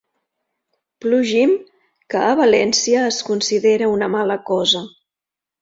Plugim que a València es considera una mala cosa.